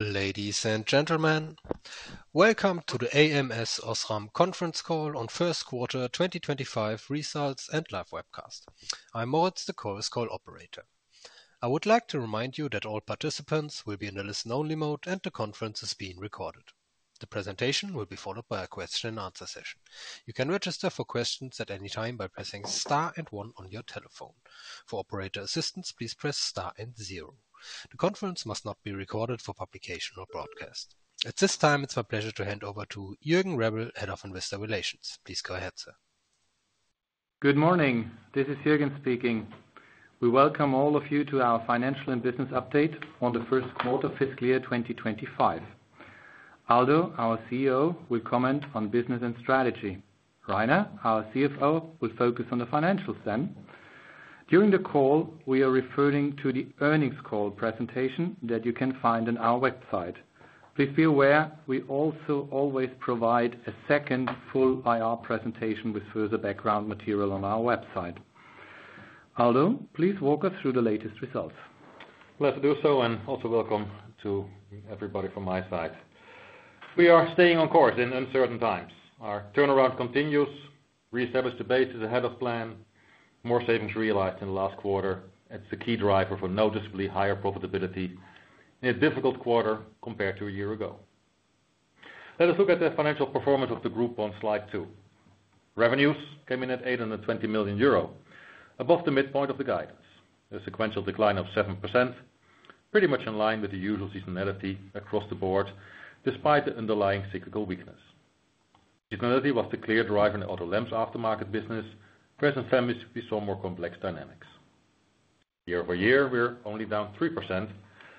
Ladies and gentlemen, welcome to the ams OSRAM Conference Call on First Quarter 2025 Results and Live Webcast. I'm Moritz, this call operator. I would like to remind you that all participants will be in the listen-only mode, and the conference is being recorded. The presentation will be followed by a question-and-answer session. You can register for questions at any time by pressing Star and 1 on your telephone. For operator assistance, please press Star and 0. The conference must not be recorded for publication or broadcast. At this time, it's my pleasure to hand over to Jürgen Rebel, Head of Investor Relations. Please go ahead, sir. Good morning. This is Jürgen speaking. We welcome all of you to our financial and business update on the first quarter fiscal year 2025. Aldo, our CEO, will comment on business and strategy. Rainer, our CFO, will focus on the financials then. During the call, we are referring to the earnings call presentation that you can find on our website. Please be aware we also always provide a second full IR presentation with further background material on our website. Aldo, please walk us through the latest results. Pleasure to do so, and also welcome to everybody from my side. We are staying on course in uncertain times. Our turnaround continues, Re-establish the Base ahead of plan, more savings realized in the last quarter. It's a key driver for noticeably higher profitability in a difficult quarter compared to a year ago. Let us look at the financial performance of the group on slide two. Revenues came in at 820 million euro, above the midpoint of the guidance. There's a sequential decline of 7%, pretty much in line with the usual seasonality across the board, despite the underlying cyclical weakness. Seasonality was the clear driver in the Auto Lamps aftermarket business. Present semis, we saw more complex dynamics. Year-over-year, we're only down 3%,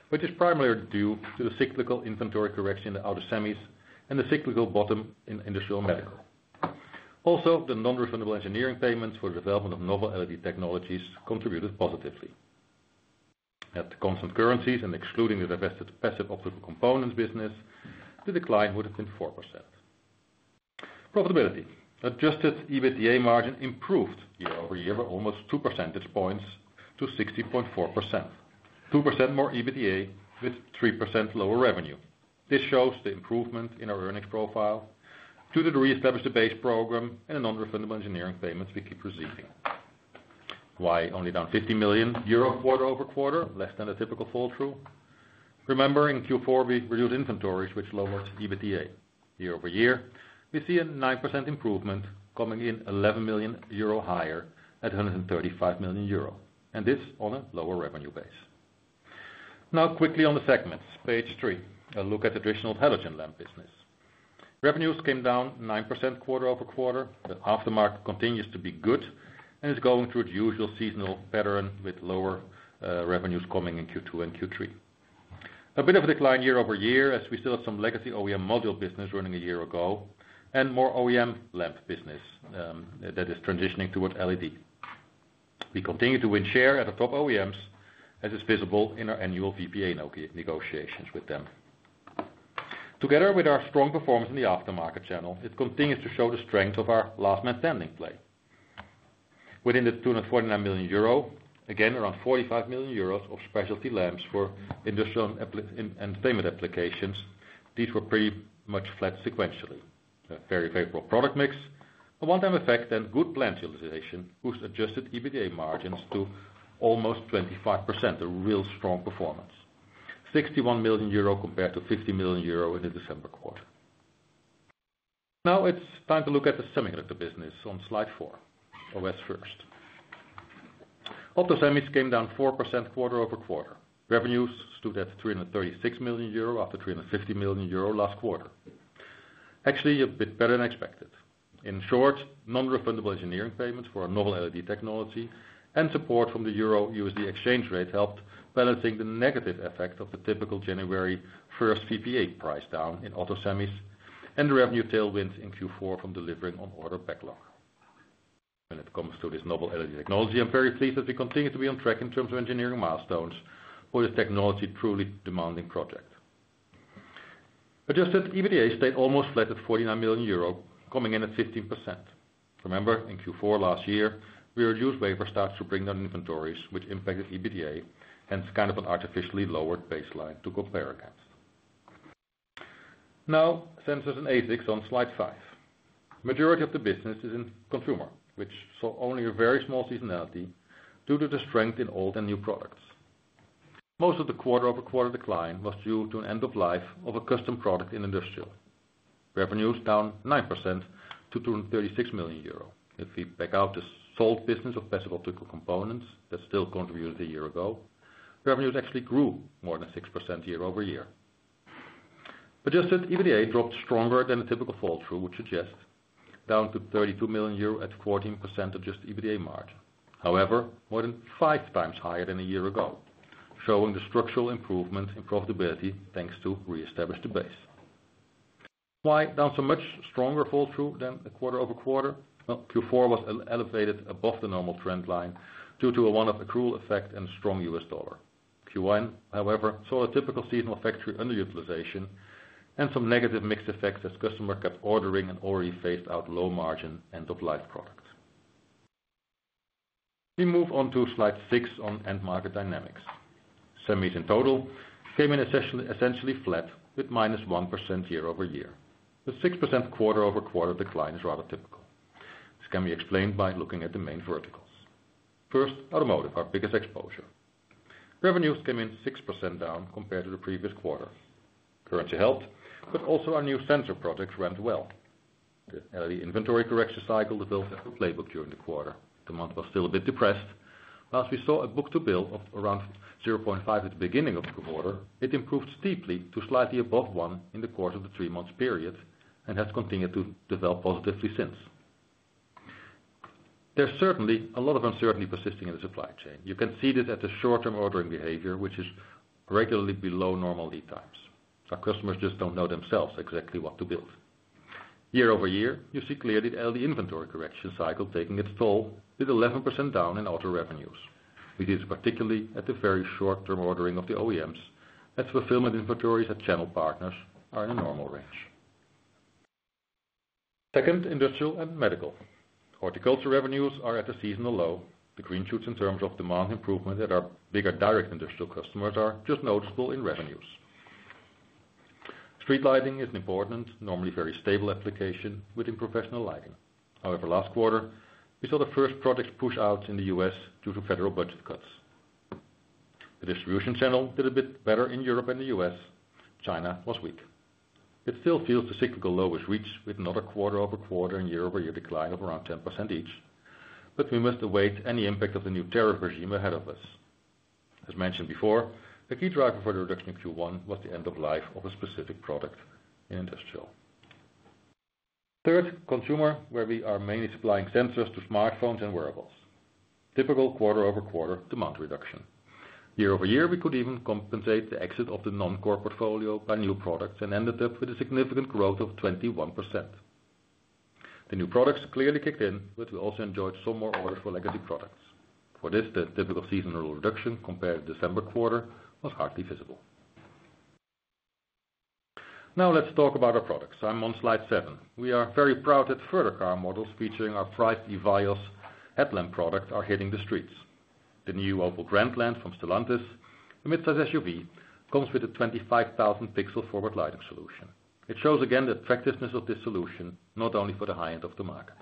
which is primarily due to the cyclical inventory correction in the auto semis and the cyclical bottom in Industrial &Medical. Also, the non-refundable engineering payments for the development of novel LED technologies contributed positively. At constant currencies and excluding the divested passive optical components business, the decline would have been 4%. Profitability: adjusted EBITDA margin improved year-over-year by almost 2 percentage points to 60.4%. 2% more EBITDA with 3% lower revenue. This shows the improvement in our earnings profile due to the Re-establish the Base program and non-refundable engineering payments we keep receiving. Why only down 50 million euro quarter-over-quarter, less than the typical fall-through? Remember, in Q4, we reduced inventories, which lowered EBITDA. Year-over-year, we see a 9% improvement, coming in 11 million euro higher at 135 million euro, and this on a lower revenue base. Now, quickly on the segments, page three, a look at traditional halogen lamp business. Revenues came down 9% quarter-over-quarter. The aftermarket continues to be good and is going through the usual seasonal pattern with lower revenues coming in Q2 and Q3. A bit of a decline year-over-year as we still have some legacy OEM module business running a year ago and more OEM lamp business that is transitioning towards LED. We continue to win share at the top OEMs, as is visible in our annual VPA negotiations with them. Together with our strong performance in the aftermarket channel, it continues to show the strength of our last-man standing play. Within the 249 million euro, again around 45 million euros of specialty lamps for Industrial and Entertainment applications, these were pretty much flat sequentially. Very, very poor product mix, a one-time effect, and good plant utilization boosts adjusted EBITDA margins to almost 25%, a real strong performance. 61 million euro compared to 50 million euro in the December quarter. Now it's time to look at the semiconductor business on slide four. OS first. Auto semis came down 4% quarter-over-quarter. Revenues stood at 336 million euro after 350 million euro last quarter. Actually, a bit better than expected. In short, non-refundable engineering payments for a novel LED technology and support from the Euro USD exchange rate helped balancing the negative effect of the typical January first VPA price down in auto semis and the revenue tailwinds in Q4 from delivering on order backlog. When it comes to this novel LED technology, I'm very pleased that we continue to be on track in terms of engineering milestones for this technology-truly demanding project. Adjusted EBITDA stayed almost flat at 49 million euro, coming in at 15%. Remember, in Q4 last year, we reduced wafer starts to bring down inventories, which impacted EBITDA, hence kind of an artificially lowered baseline to compare against. Now, sensors and ASICs on slide five. Majority of the business is in consumer, which saw only a very small seasonality due to the strength in old and new products. Most of the quarter-over-quarter decline was due to an end-of-life of a custom product in Industrial. Revenues down 9% to 236 million euro. If we back out the sold business of passive optical components that still contributed a year ago. Revenues actually grew more than 6% year- over-year. Adjusted EBITDA dropped stronger than the typical fall-through, which adjusted down to 32 million euro at 14% adjusted EBITDA margin. However, more than five times higher than a year ago, showing the structural improvement in profitability thanks to Re-establish the Base. Why down so much? Stronger fall-through than a quarter-over-quarter. Q4 was elevated above the normal trend line due to a one-off accrual effect and strong U.S. dollar. Q1, however, saw a typical seasonal factory underutilization and some negative mixed effects as customers kept ordering and already phased out low-margin end-of-life products. We move on to slide six on end-market dynamics. Semis in total came in essentially flat with -1% year-over-year. The 6% quarter-over-quarter decline is rather typical. This can be explained by looking at the main verticals. First, automotive, our biggest exposure. Revenues came in 6% down compared to the previous quarter. Currency helped, but also our new sensor project ramped well. The LED inventory correction cycle developed a good playbook during the quarter. The month was still a bit depressed. Last, we saw a book-to-bill of around 0.5 at the beginning of the quarter. It improved steeply to slightly above one in the course of the three-month period and has continued to develop positively since. There's certainly a lot of uncertainty persisting in the supply chain. You can see this at the short-term ordering behavior, which is regularly below normal lead times. Our customers just do not know themselves exactly what to build. Year-over-year, you see clearly the LED inventory correction cycle taking its toll with 11% down in auto revenues, which is particularly at the very short-term ordering of the OEMs as fulfillment inventories at channel partners are in a normal range. Second, Industrial & Medical. Horticulture revenues are at a seasonal low. The green shoots in terms of demand improvement at our bigger direct Industrial customers are just noticeable in revenues. Street lighting is an important, normally very stable application within professional lighting. However, last quarter, we saw the first projects push out in the U.S. due to federal budget cuts. The distribution channel did a bit better in Europe and the U.S., China was weak. It still feels the cyclical low is reached with another quarter-over-quarter and year-over-year decline of around 10% each, but we must await any impact of the new tariff regime ahead of us. As mentioned before, the key driver for the reduction in Q1 was the end-of-life of a specific product in Industrial. Third, consumer, where we are mainly supplying sensors to smartphones and wearables. Typical quarter-over-quarter demand reduction. Year-over-year, we could even compensate the exit of the non-core portfolio by new products and ended up with a significant growth of 21%. The new products clearly kicked in, but we also enjoyed some more orders for legacy products. For this, the typical seasonal reduction compared to December quarter was hardly visible. Now let's talk about our products. I'm on slide seven. We are very proud that further car models featuring our prized EVIYOS headlamp products are hitting the streets. The new Opel Grandland from Stellantis, the mid-size SUV, comes with a 25,000 pixel forward lighting solution. It shows again the attractiveness of this solution, not only for the high end of the market.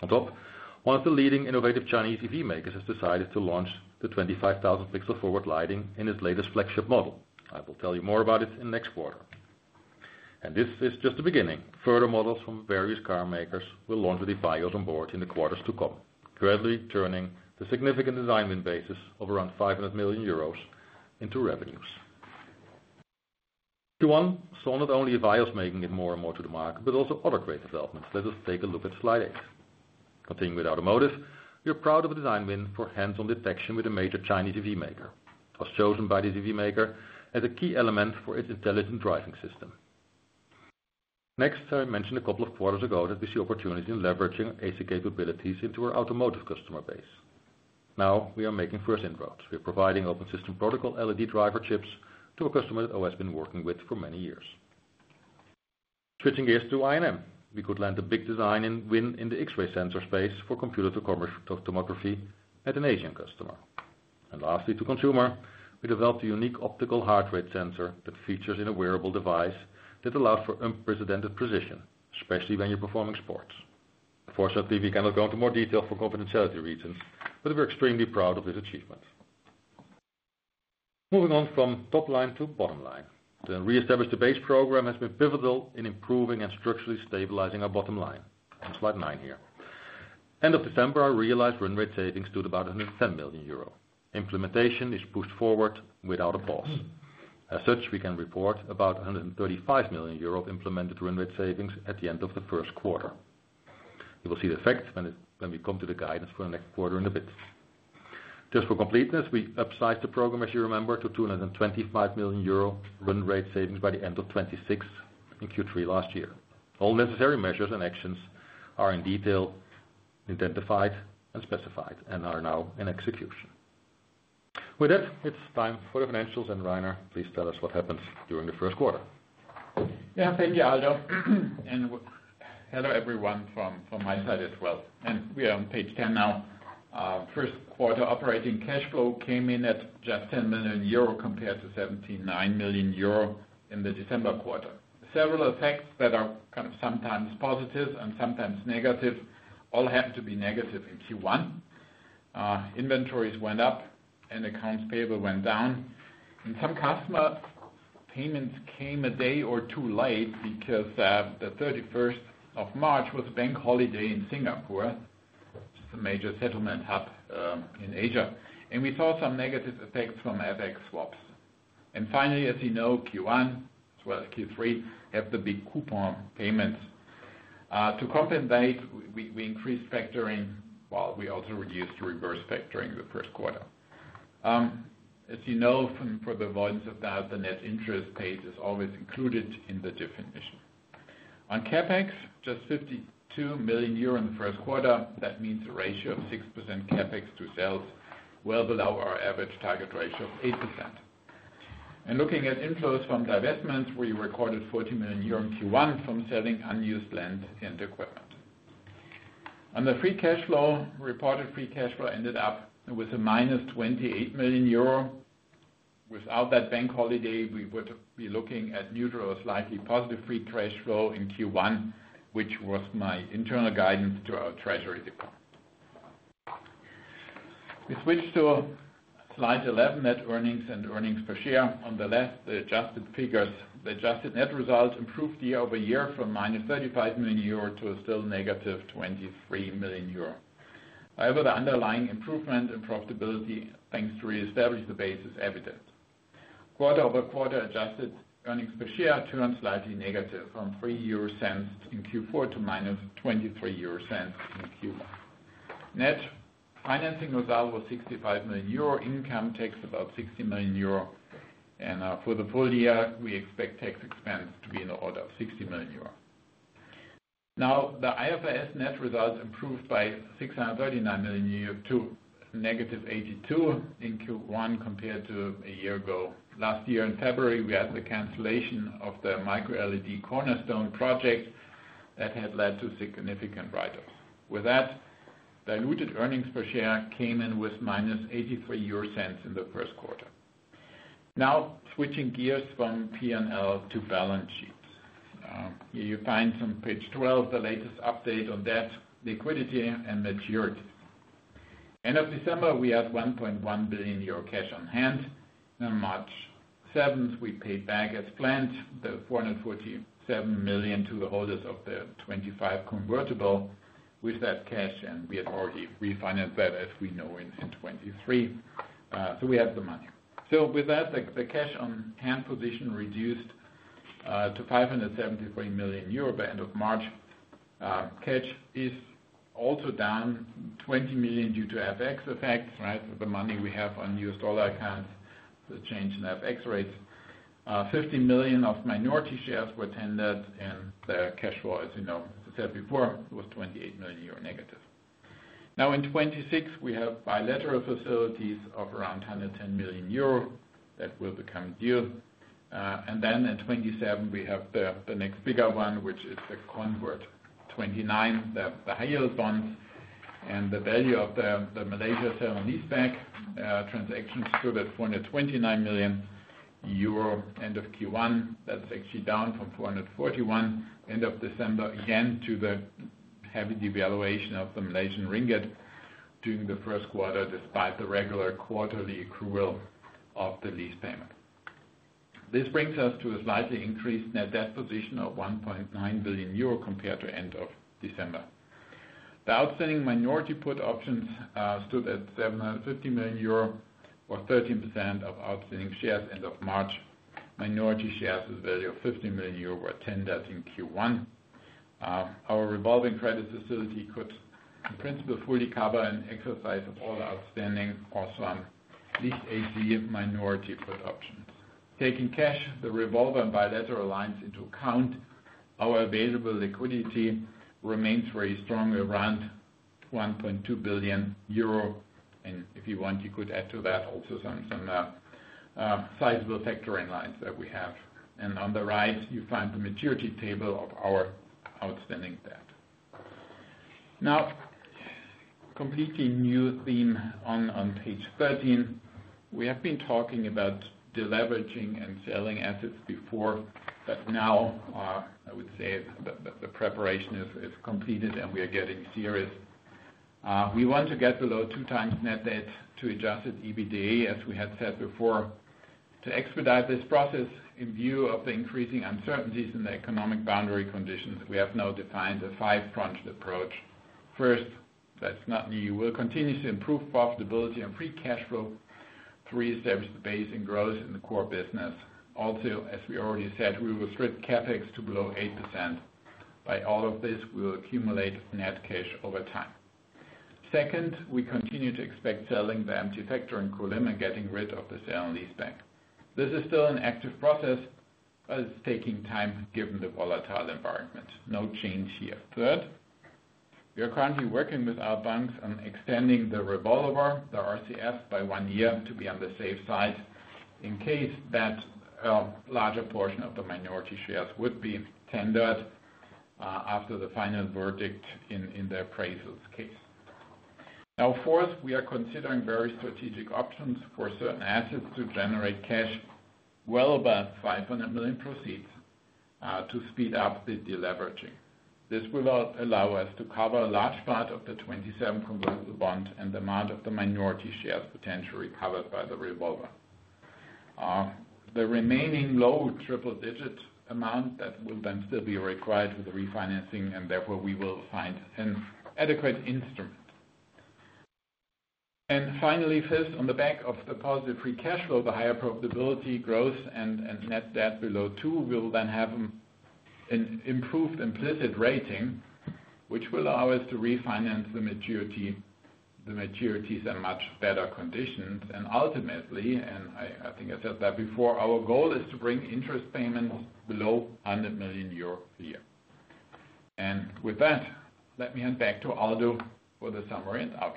On top, one of the leading innovative Chinese EV makers has decided to launch the 25,000 pixel forward lighting in its latest flagship model. I will tell you more about it in the next quarter. This is just the beginning. Further models from various car makers will launch with EVIYOS on board in the quarters to come, currently turning the significant design win basis of around 500 million euros into revenues. Q1 saw not only EVIYOS making it more and more to the market, but also other great developments. Let us take a look at slide eight. Continuing with automotive, we are proud of a design win for hands-on detection with a major Chinese EV maker. It was chosen by this EV maker as a key element for its intelligent driving system. Next, I mentioned a couple of quarters ago that we see opportunities in leveraging our ASIC capabilities into our automotive customer base. Now we are making first inroads. We are providing open system protocol LED driver chips to a customer that ams OSRAM has been working with for many years. Switching gears to I&M, we could land a big design win in the X-ray sensor space for computed tomography at an Asian customer. Lastly, to consumer, we developed a unique optical heart rate sensor that features in a wearable device that allowed for unprecedented precision, especially when you're performing sports. Unfortunately, we cannot go into more detail for confidentiality reasons, but we're extremely proud of this achievement. Moving on from top line to bottom line, the Re-establish the Base program has been pivotal in improving and structurally stabilizing our bottom line. Slide nine here. End of December, our realized run rate savings stood at about 110 million euro. Implementation is pushed forward without a pause. As such, we can report about 135 million euro of implemented run rate savings at the end of the first quarter. We will see the effects when we come to the guidance for the next quarter in a bit. Just for completeness, we upsized the program, as you remember, to 225 million euro run rate savings by the end of 2026 in Q3 last year. All necessary measures and actions are in detail identified and specified and are now in execution. With that, it's time for the financials. Rainer, please tell us what happens during the first quarter. Yeah, thank you, Aldo. Hello everyone from my side as well. We are on page 10 now. First quarter operating cash flow came in at just 10 million euro compared to 79 million euro in the December quarter. Several effects that are kind of sometimes positive and sometimes negative all happened to be negative in Q1. Inventories went up and accounts payable went down. Some customer payments came a day or two late because the 31st of March was a bank holiday in Singapore, the major settlement hub in Asia. We saw some negative effects from FX swaps. Finally, as you know, Q1, as well as Q3, had the big coupon payments. To compensate, we increased factoring while we also reduced reverse factoring the first quarter. As you know, for the volumes of that, the net interest paid is always included in the definition. On CapEx, just 52 million euro in the first quarter, that means a ratio of 6% CapEx to sales well below our average target ratio of 8%. Looking at inflows from divestments, we recorded 40 million euro in Q1 from selling unused land and equipment. On the free cash flow, reported free cash flow ended up with a minus 28 million euro. Without that bank holiday, we would be looking at neutral, slightly positive free cash flow in Q1, which was my internal guidance to our treasury department. We switched to slide 11, net earnings and earnings per share. On the left, the adjusted figures, the adjusted net result improved year-over-year from -35 million euro to a still -23 million euro. However, the underlying improvement in profitability aims to Re-establish the Base is evident. Quarter-over-quarter adjusted earnings per share turned slightly negative from 3 euro in Q4 to -23 euro in Q1. Net financing result was 65 million euro. Income takes about 60 million euro. For the full year, we expect tax expense to be in the order of 60 million euro. Now, the IFRS net result improved by 639 million euro to negative 82 in Q1 compared to a year ago. Last year, in February, we had the cancellation of the micro LED cornerstone project that had led to significant write-offs. With that, diluted earnings per share came in with -83 euro in the first quarter. Now, switching gears from P&L to balance sheet. Here you find on page 12, the latest update on that liquidity and maturity. End of December, we had 1.1 billion euro cash on hand. On March 7th, we paid back as planned the 447 million to the holders of the 2025 convertible with that cash. We had already refinanced that, as we know, in 2023. We had the money. With that, the cash on hand position reduced to 573 million euro by end of March. Cash is also down 20 million due to FX effects, right? The money we have on US dollar accounts for the change in FX rates. 15 million of minority shares were tendered and the cash flow, as you know, as I said before, was 28 million euro negative. In 2026, we have bilateral facilities of around 110 million euro that will become due. In 2027, we have the next bigger one, which is the convert. In 2029, the high yield bonds and the value of the Malaysia Sale-and-Lease Back transactions stood at 429 million euro end of Q1. That is actually down from 441 million end of December again due to the heavy devaluation of the Malaysian ringgit during the first quarter, despite the regular quarterly accrual of the lease paymentsom This brings us to a slightly increased net debt position of 1.9 billion euro compared to end of December. The outstanding minority put options stood at 750 million euro, was 13% of outstanding shares end of March. Minority shares with a value of 15 million euro were tendered in Q1. Our revolving credit facility could, in principle, fully cover an exercise of all outstanding or OSRAM legacy of minority put options. Taking cash, the revolver and bilateral lines into account, our available liquidity remains very strong around 1.2 billion euro. If you want, you could add to that also some sizable factoring lines that we have. On the right, you find the maturity table of our outstanding debt. Now, completely new theme on page 13. We have been talking about deleveraging and selling assets before, but now, I would say the preparation is completed and we are getting serious. We want to get below 2x net debt to adjusted EBITDA, as we had said before. To expedite this process, in view of the increasing uncertainties in the economic boundary conditions, we have now defined a five-front approach. First, that's not new. We'll continue to improve profitability and free cash flow to Re-establish the Base and growth in the core business. Also, as we already said, we will strip CapEx to below 8%. By all of this, we will accumulate net cash over time. Second, we continue to expect selling the empty factory in Kulim and getting rid of the Sale-and-Lease Back. This is still an active process, but it's taking time given the volatile environment. No change here. Third, we are currently working with our banks on extending the revolver, the RCF, by one year to be on the safe side in case that a larger portion of the minority shares would be tendered after the final verdict in the appraisal case. Fourth, we are considering very strategic options for certain assets to generate cash well above 500 million proceeds to speed up the deleveraging. This will allow us to cover a large part of the 2027 convertible bond and the amount of the minority shares potentially recovered by the revolver. The remaining low triple-digit amount that will then still be required for the refinancing, and therefore we will find an adequate instrument. Finally, fifth, on the back of the positive free cash flow, the higher profitability growth and net debt below 2, we will then have an improved implicit rating, which will allow us to refinance the maturities in much better conditions. Ultimately, and I think I said that before, our goal is to bring interest payments below 100 million euros per year. With that, let me hand back to Aldo for the summary and outlook.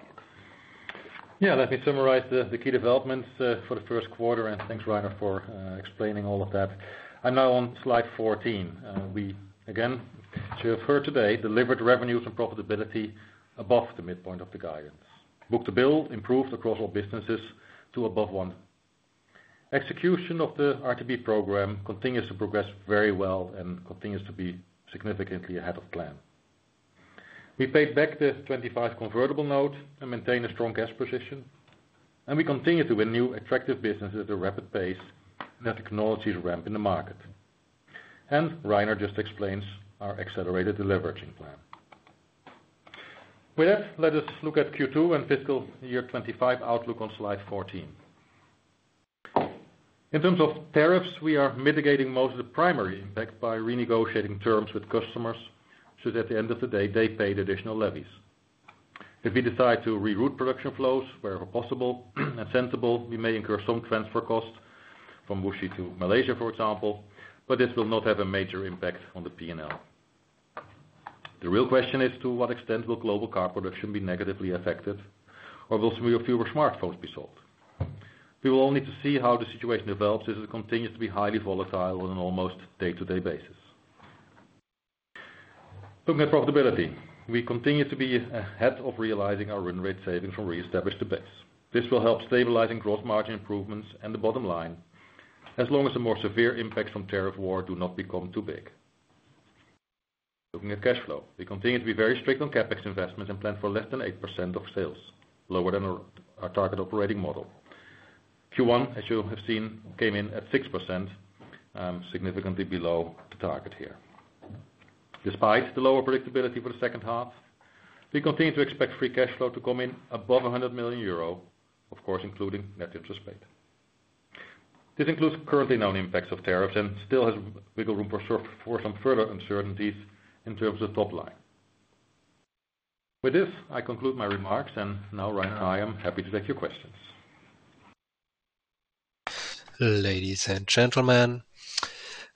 Yeah, let me summarize the key developments for the first quarter. Thanks, Rainer, for explaining all of that. Now on slide 14, we again show for today delivered revenues and profitability above the midpoint of the guidance. Book to bill improved across all businesses to above one. Execution of the RTB program continues to progress very well and continues to be significantly ahead of plan. We paid back the 2025 convertible note and maintain a strong cash position. We continue to win new attractive businesses at a rapid pace that acknowledges ramp in the market. Rainer just explains our accelerated deleveraging plan. With that, let us look at Q2 and fiscal year 2025 outlook on slide 14. In terms of tariffs, we are mitigating most of the primary impact by renegotiating terms with customers so that at the end of the day, they paid additional levies. If we decide to reroute production flows wherever possible and sensible, we may incur some transfer cost from Wuxi to Malaysia, for example, but this will not have a major impact on the P&L. The real question is to what extent will global car production be negatively affected or will fewer smartphones be sold? We will all need to see how the situation develops as it continues to be highly volatile on an almost day-to-day basis. Looking at profitability, we continue to be ahead of realizing our run rate savings from Re-establish the Base. This will help stabilizing gross margin improvements and the bottom line as long as the more severe impacts from tariff war do not become too big. Looking at cash flow, we continue to be very strict on CapEx investments and plan for less than 8% of sales, lower than our target operating model. Q1, as you have seen, came in at 6%, significantly below the target here. Despite the lower predictability for the second half, we continue to expect free cash flow to come in above 100 million euro, of course, including net interest rate. This includes currently known impacts of tariffs and still has wiggle room for some further uncertainties in terms of the top line. With this, I conclude my remarks, and now, Rainer, I am happy to take your questions. Ladies and gentlemen,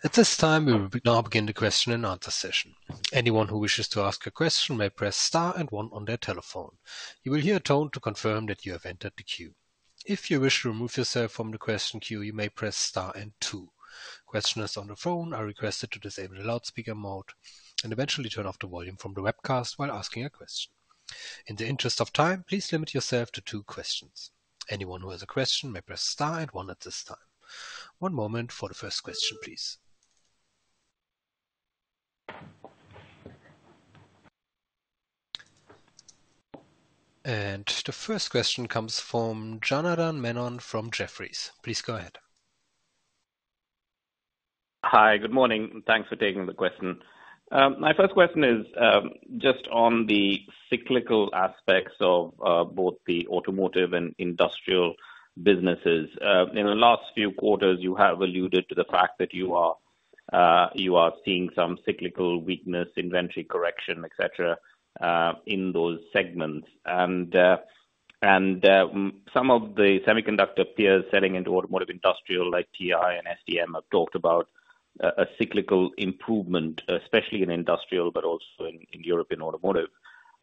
at this time, we will now begin the question and answer session. Anyone who wishes to ask a question may press star and one on their telephone. You will hear a tone to confirm that you have entered the queue. If you wish to remove yourself from the question queue, you may press star and two. Questioners on the phone are requested to disable the loudspeaker mode and eventually turn off the volume from the webcast while asking a question. In the interest of time, please limit yourself to two questions. Anyone who has a question may press star and one at this time. One moment for the first question, please. The first question comes from Janardan Menon from Jefferies. Please go ahead. Hi, good morning, and thanks for taking the question. My first question is just on the cyclical aspects of both the automotive and Industrial businesses. In the last few quarters, you have alluded to the fact that you are seeing some cyclical weakness, inventory correction, et cetera, in those segments. Some of the semiconductor peers selling into automotive Industrial, like TI and STM, have talked about a cyclical improvement, especially in Industrial, but also in European automotive.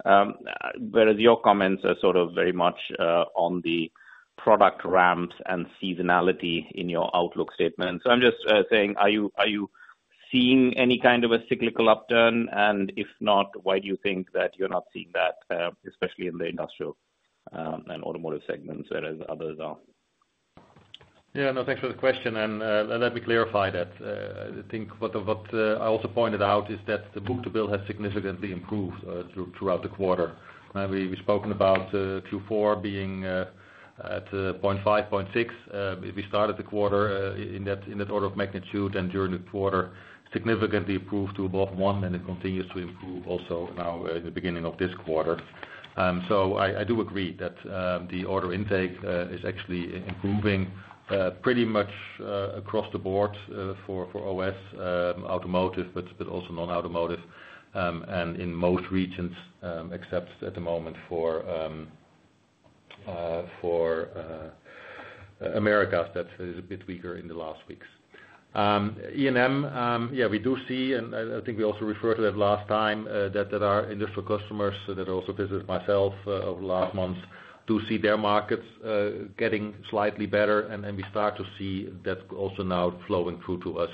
Whereas your comments are sort of very much on the product ramps and seasonality in your outlook statement. I am just saying, are you seeing any kind of a cyclical upturn? If not, why do you think that you are not seeing that, especially in the Industrial and automotive segments, whereas others are? Yeah, no, thanks for the question. Let me clarify that. I think what I also pointed out is that the book-to-bill had significantly improved throughout the quarter. We've spoken about Q4 being at 0.5, 0.6. We started the quarter in that order of magnitude and during the quarter significantly improved to above one, and it continues to improve also now in the beginning of this quarter. I do agree that the order intake is actually improving pretty much across the board for OS, automotive, but also non-automotive, and in most regions, except at the moment for America, that is a bit weaker in the last weeks. E&M, yeah, we do see, and I think we also referred to that last time, that our Industrial customers that are also business as myself over the last months do see their markets getting slightly better. We start to see that also now flowing through to us,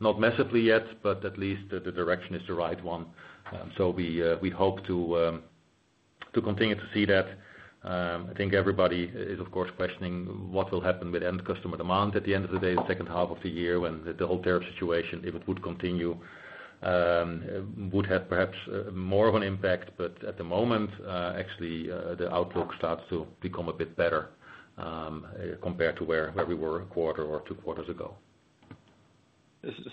not massively yet, but at least the direction is the right one. We hope to continue to see that. I think everybody is, of course, questioning what will happen with end customer demand at the end of the day, the second half of the year, when the whole tariff situation, if it would continue, would have perhaps more of an impact. At the moment, actually, the outlook starts to become a bit better compared to where we were a quarter or two quarters ago.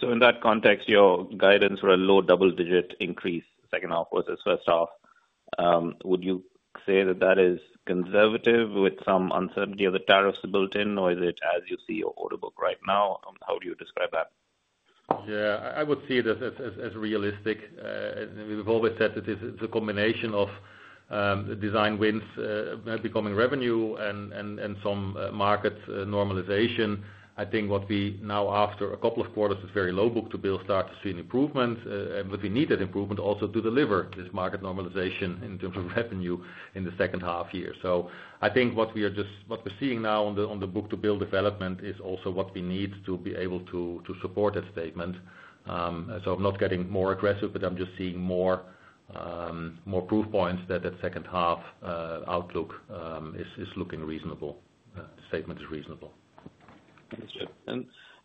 In that context, your guidance for a low double-digit increase, second half versus first half, would you say that that is conservative with some uncertainty of the tariffs built in, or is it as you see your order book right now? How do you describe that? Yeah, I would see this as realistic. We've always said that it's a combination of design wins becoming revenue and some market normalization. I think what we now, after a couple of quarters, is very low book-to-bill start to see an improvement, but we need that improvement also to deliver this market normalization in terms of revenue in the second half year. I think what we are just, what we're seeing now on the book-to-bill development is also what we need to be able to support that statement. I'm not getting more aggressive, but I'm just seeing more proof points that that second half outlook is looking reasonable. The statement is reasonable.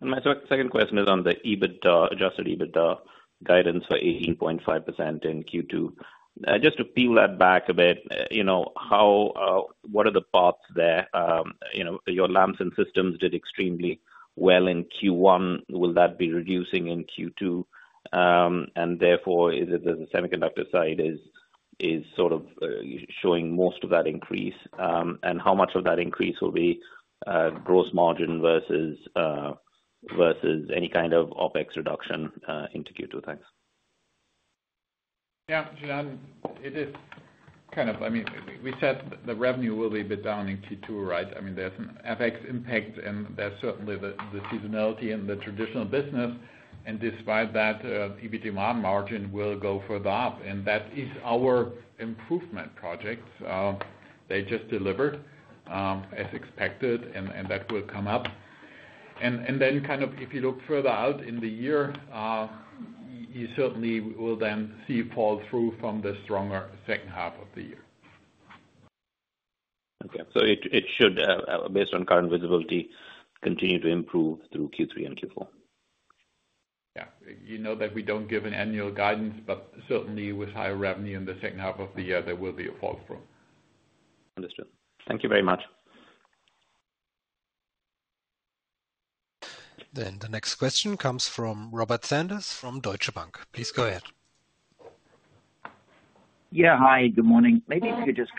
My second question is on the adjusted EBITDA guidance for 18.5% in Q2. Just to peel that back a bit, what are the paths there? Your Lamps & Systems did extremely well in Q1. Will that be reducing in Q2? Therefore, the semiconductor side is sort of showing most of that increase. How much of that increase will be gross margin versus any kind of OpEx reduction into Q2? Thanks. Yeah, Jan, it is kind of, I mean, we said the revenue will be a bit down in Q2, right? I mean, there's an FX impact, and there's certainly the seasonality in the traditional business. Despite that, EBITDA margin will go further up. That is our improvement project. They just delivered as expected, and that will come up. If you look further out in the year, you certainly will then see fall through from the stronger second half of the year. Okay, so it should, based on current visibility, continue to improve through Q3 and Q4. Yeah, you know that we don't give an annual guidance, but certainly with higher revenue in the second half of the year, there will be a fall through. Understood. Thank you very much. The next question comes from Robert Sanders from Deutsche Bank. Please go ahead. Yeah, hi, good morning. Maybe if you could just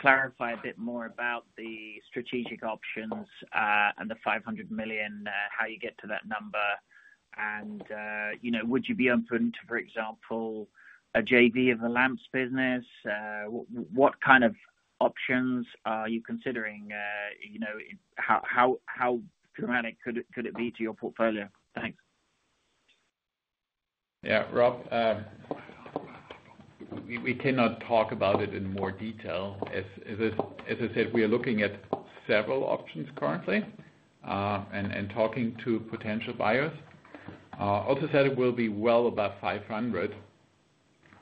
clarify a bit more about the strategic options and the 500 million, how you get to that number. Would you be open to, for example, a JV of the Lamps business? What kind of options are you considering? How dramatic could it be to your portfolio? Thanks. Yeah, Rob, we cannot talk about it in more detail. As I said, we are looking at several options currently and talking to potential buyers. I also said it will be well above 500.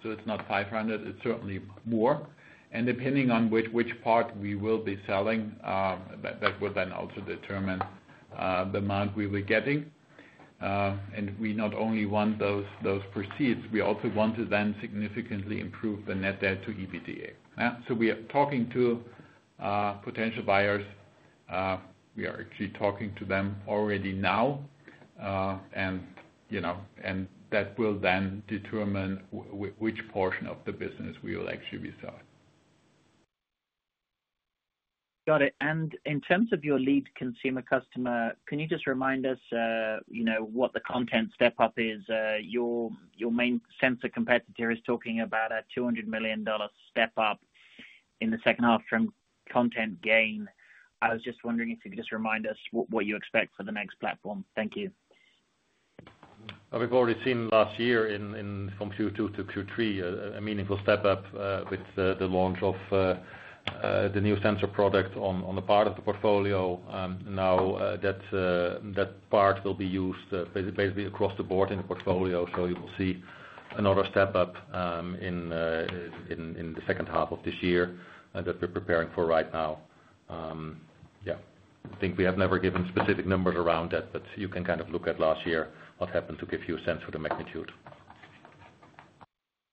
It is not 500, it is certainly more. Depending on which part we will be selling, that will then also determine the amount we were getting. We not only want those proceeds, we also want to then significantly improve the net debt to EBITDA. We are talking to potential buyers. We are actually talking to them already now. That will then determine which portion of the business we will actually be selling. Got it. In terms of your lead consumer customer, can you just remind us what the content step-up is? Your main sense of competitor is talking about a $200 million step-up in the second half term content gain. I was just wondering if you could just remind us what you expect for the next platform. Thank you. We've already seen last year in from Q2 to Q3 a meaningful step-up with the launch of the new sensor product on the part of the portfolio. Now that part will be used basically across the board in the portfolio. You will see another step-up in the second half of this year that we're preparing for right now. I think we have never given specific numbers around that, but you can kind of look at last year what happened to give you a sense of the magnitude.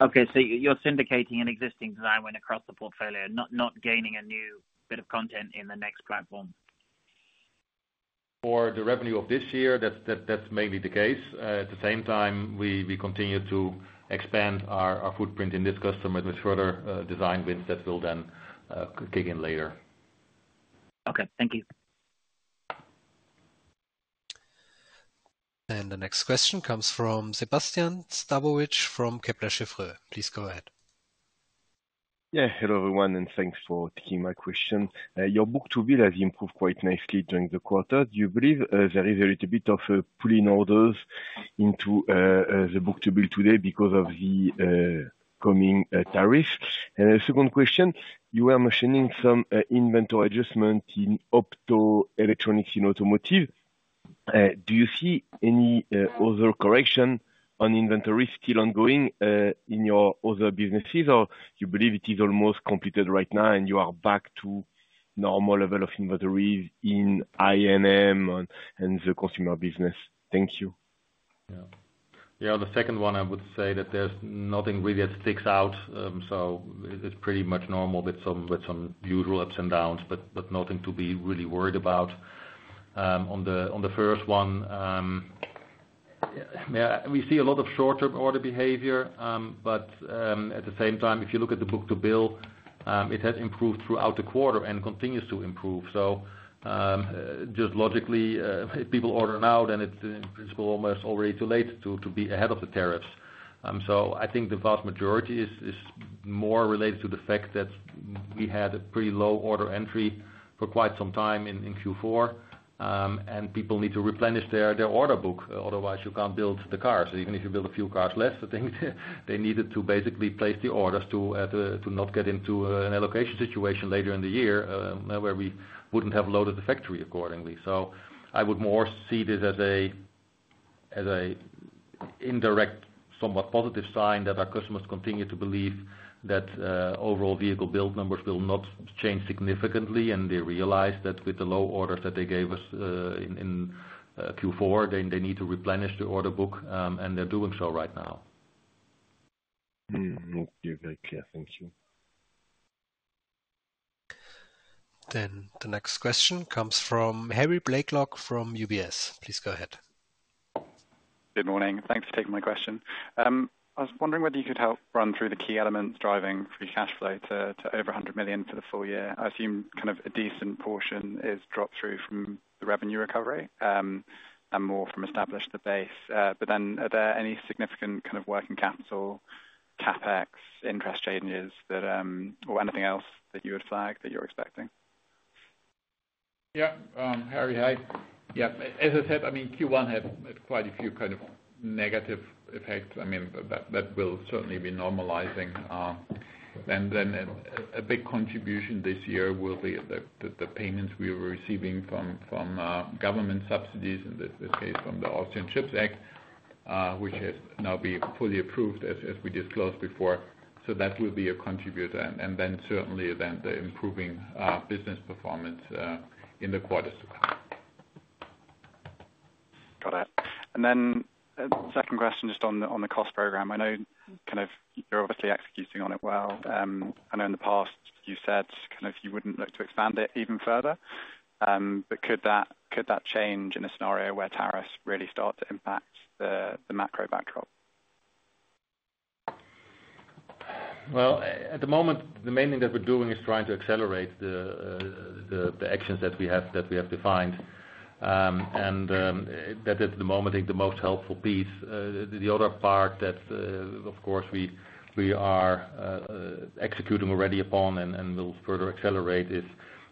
Okay, so you're syndicating an existing design win across the portfolio, not gaining a new bit of content in the next platform. For the revenue of this year, that's mainly the case. At the same time, we continue to expand our footprint in this customer with further design wins that will then kick in later. Okay, thank you. The next question comes from Sébastien Sztabowicz from Kepler Cheuvreux. Please go ahead. Yeah, hello everyone, and thanks for taking my question. Your book-to-bill has improved quite nicely during the quarter. Do you believe there is a little bit of pulling orders into the book-to-bill today because of the coming tariffs? The second question, you were mentioning some inventory adjustment in optoelectronics in automotive. Do you see any other correction on inventory still ongoing in your other businesses, or do you believe it is almost completed right now and you are back to normal level of inventories in I&M and the consumer business? Thank you. Yeah, on the second one, I would say that there's nothing really that sticks out. It's pretty much normal with some usual ups and downs, but nothing to be really worried about. On the first one, we see a lot of short-term order behavior, but at the same time, if you look at the book-to-bill, it has improved throughout the quarter and continues to improve. Just logically, if people order now, then it's almost already too late to be ahead of the tariffs. I think the vast majority is more related to the fact that we had a pretty low order entry for quite some time in Q4, and people need to replenish their order book. Otherwise, you can't build the cars. Even if you build a few cars less, I think they needed to basically place the orders to not get into an allocation situation later in the year where we wouldn't have loaded the factory accordingly. I would more see this as an indirect, somewhat positive sign that our customers continue to believe that overall vehicle build numbers will not change significantly, and they realize that with the low orders that they gave us in Q4, they need to replenish the order book, and they're doing so right now. Okay, thank you. The next question comes from Harry Blaiklock from UBS. Please go ahead. Good morning. Thanks for taking my question. I was wondering whether you could help run through the key elements driving free cash flow to over 100 million for the full year. I assume kind of a decent portion is drop-through from the revenue recovery and more from Re-establish the Base. Are there any significant kind of working capital, CapEx, interest changes, or anything else that you would flag that you're expecting? Yeah, Harry, hi. Yeah, as I said, I mean, Q1 had quite a few kind of negative effects. I mean, that will certainly be normalizing. A big contribution this year will be the payments we were receiving from government subsidies, in this case, from the European Chips Act., which has now been fully approved, as we disclosed before. That will be a contributor. Certainly, the improving business performance in the quarters to come. Got it. Then second question just on the cost program. I know kind of you're obviously executing on it well. I know in the past you said kind of you wouldn't look to expand it even further. Could that change in a scenario where tariffs really start to impact the macro backdrop? At the moment, the main thing that we're doing is trying to accelerate the actions that we have defined. I think the most helpful piece, the other part that, of course, we are executing already upon and will further accelerate, is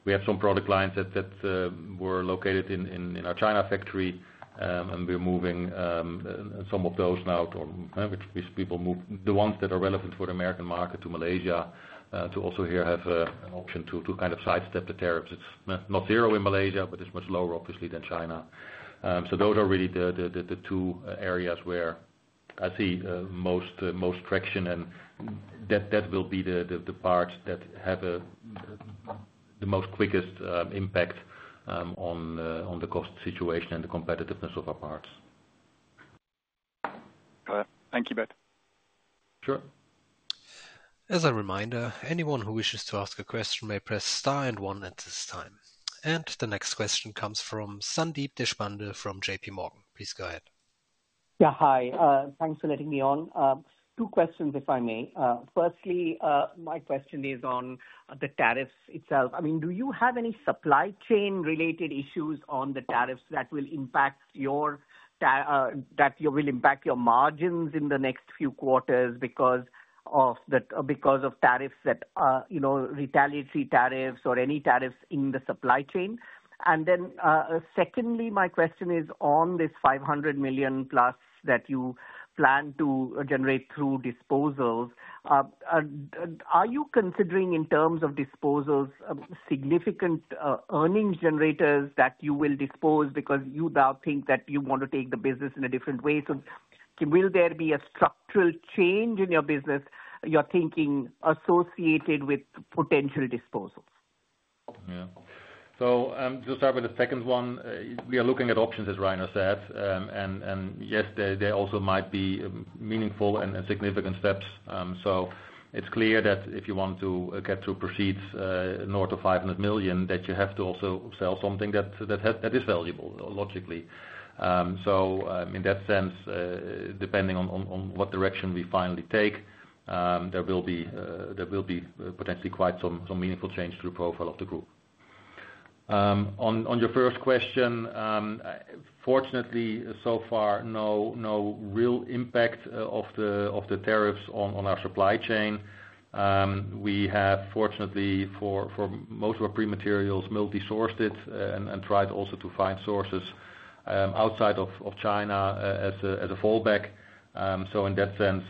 we have some product lines that were located in our China factory, and we're moving some of those now, which people move, the ones that are relevant for the American market to Malaysia, to also here have an option to kind of sidestep the tariffs. It's not zero in Malaysia, but it's much lower, obviously, than China. Those are really the two areas where I see most traction, and that will be the parts that have the most quickest impact on the cost situation and the competitiveness of our parts. Thank you both. Sure. As a reminder, anyone who wishes to ask a question may press star and one at this time. The next question comes from Sandeep Deshpande from JP Morgan. Please go ahead. Yeah, hi. Thanks for letting me on. Two questions, if I may. Firstly, my question is on the tariffs itself. I mean, do you have any supply chain-related issues on the tariffs that will impact your margins in the next few quarters because of tariffs, that retaliatory tariffs or any tariffs in the supply chain? Secondly, my question is on this 500 million+ that you plan to generate through disposals. Are you considering in terms of disposals significant earnings generators that you will dispose because you now think that you want to take the business in a different way? Will there be a structural change in your business, your thinking, associated with potential disposals? Yeah. I am just starting with the second one. We are looking at options, as Rainer has said. Yes, there also might be meaningful and significant steps. It is clear that if you want to get to proceeds north of 500 million, you have to also sell something that is valuable, logically. In that sense, depending on what direction we finally take, there will be potentially quite some meaningful change to the profile of the group. On your first question, fortunately, so far, no real impact of the tariffs on our supply chain. We have, fortunately, for most of our pre-materials, multi-sourced it and tried also to find sources outside of China as a fallback. In that sense,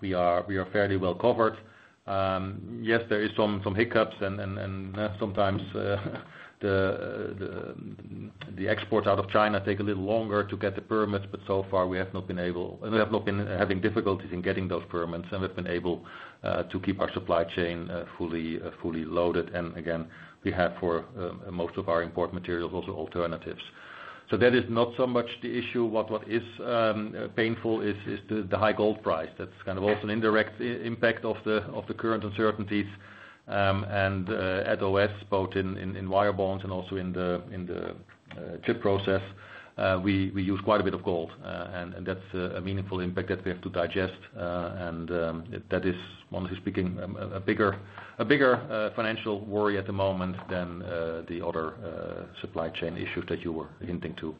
we are fairly well covered. Yes, there are some hiccups, and sometimes the exports out of China take a little longer to get the permits, but so far, we have not been having difficulties in getting those permits, and we've been able to keep our supply chain fully loaded. We have for most of our import materials also alternatives. That is not so much the issue. What is painful is the high gold price. That is also an indirect impact of the current uncertainties. At OS, both in wire bonds and also in the chip process, we use quite a bit of gold. That is a meaningful impact that we have to digest. That is, honestly speaking, a bigger financial worry at the moment than the other supply chain issues that you were hinting to.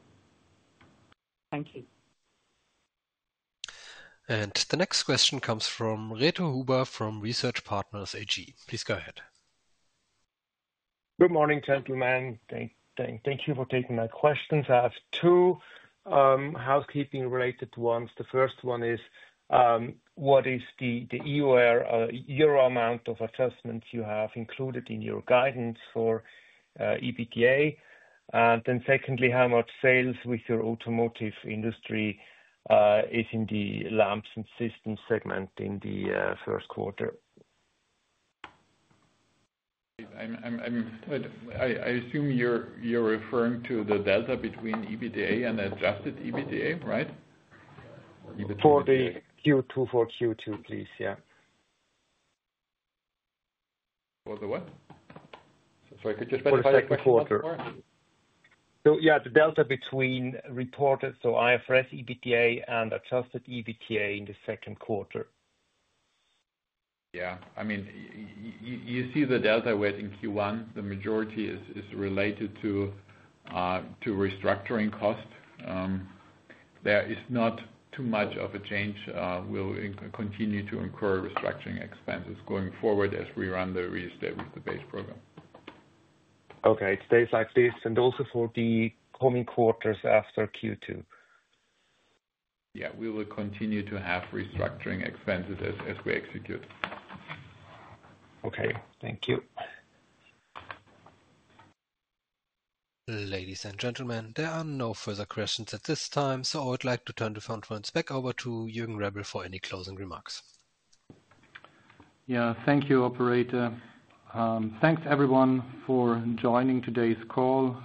Thank you. The next question comes from Reto Huber from Research Partners AG. Please go ahead. Good morning, gentlemen. Thank you for taking my questions. I have two housekeeping-related ones. The first one is, what is the EUR amount of assessments you have included in your guidance for EBITDA? Then secondly, how much sales with your automotive industry is in the Lamps & Systems segment in the first quarter? I assume you're referring to the delta between EBITDA and adjusted EBITDA, right? For Q2, please, yeah. For the what? If I could just clarify the quarter. Yeah, the delta between reported, so IFRS EBITDA and adjusted EBITDA in the second quarter. Yeah, I mean, you see the delta wet in Q1. The majority is related to restructuring cost. There is not too much of a change. We'll continue to incur restructuring expenses going forward as we run the re-establishment base program. Okay, it stays like this. Also for the coming quarters after Q2. Yeah, we will continue to have restructuring expenses as we execute. Okay, thank you. Ladies and gentlemen, there are no further questions at this time, so I would like to turn the floor back over to Jürgen Rebel for any closing remarks. Yeah, thank you, operator. Thanks, everyone, for joining today's call.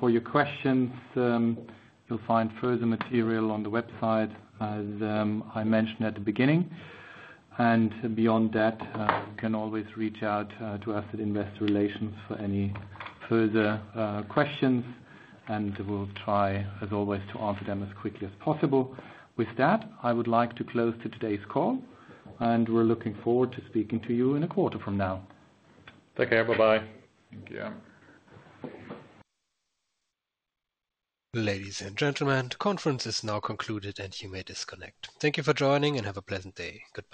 For your questions, you'll find further material on the website as I mentioned at the beginning. Beyond that, you can always reach out to us at Investor Relations for any further questions, and we'll try, as always, to answer them as quickly as possible. With that, I would like to close today's call, and we're looking forward to speaking to you in a quarter from now. Take care. Bye-bye. Thank you. Ladies and gentlemen, the conference is now concluded, and you may disconnect. Thank you for joining, and have a pleasant day. Good.